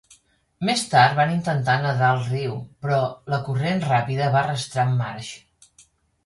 Més tard van intentar nedar el riu, però la corrent ràpida va arrastrar en Marsh.